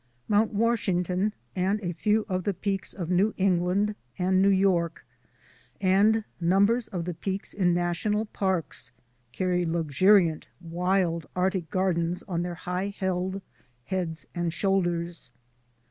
Mount Washington and a few of the peaks of New England and New York, and numbers of the peaks in national parks carry luxuriant wild Arctic gardens on their high held heads and shoulders.